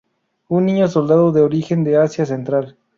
Un niño soldado de origen de Asia Central.